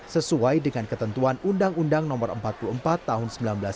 sesuai dengan ketentuan undang undang no empat puluh empat tahun seribu sembilan ratus sembilan puluh